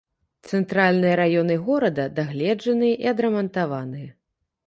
Цэнтральныя раёны горада дагледжаныя і адрамантаваныя.